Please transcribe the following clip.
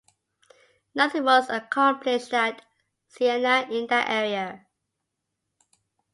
Nothing was accomplished at Siena in that area.